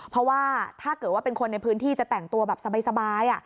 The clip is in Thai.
เพราะว่าถ้าเกิดว่าเป็นคนในพื้นที่จะแต่งตัวแบบสบาย